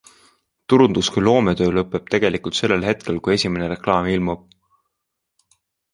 Turundus kui loometöö lõpeb tegelikult sellel hetkel, kui esimene reklaam ilmub.